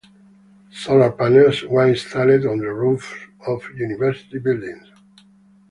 Solar panels were installed on the roofs of university buildings.